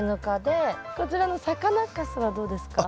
こちらの魚かすはどうですか？